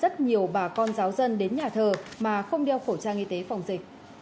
hãy đăng ký kênh để ủng hộ kênh của mình nhé